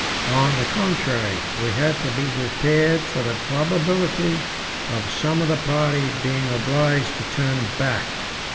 On the contrary, we had to be prepared for the probability of some of the party being obliged to turn back.